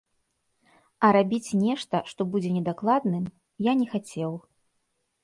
А рабіць нешта, што будзе недакладным, я не хацеў.